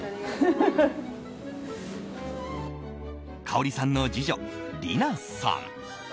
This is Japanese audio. かおりさんの次女りなさん。